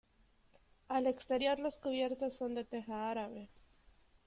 Al exterior las cubiertas son de teja árabe.